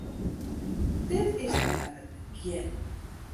Dit is noch mar it begjin.